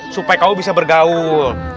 supaya kamu bisa bergaul